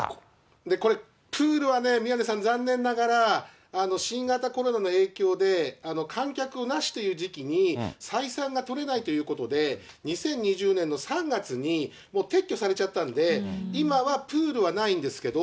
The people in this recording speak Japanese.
これ、プールはね、宮根さん、残念ながら、新型コロナの影響で観客なしという時期に、採算が取れないということで、２０２０年の３月にもう撤去されちゃったので今はプールはないんですけど。